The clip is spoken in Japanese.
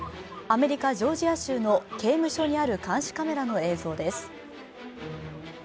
アメリカ・ジョージア州の刑務所にある監視カメラの映像です。